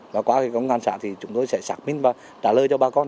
và qua công an xã thì chúng tôi sẽ xác minh và trả lời cho bà con